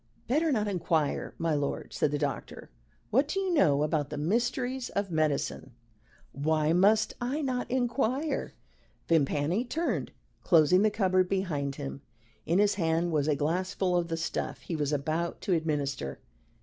"Better not inquire, my lord," said the doctor. "What do you know about the mysteries of medicine?" "Why must I not inquire?" Vimpany turned, closing the cupboard behind him. In his hand was a glass full of the stuff he was about to administer.